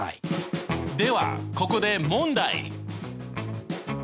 ではここで問題！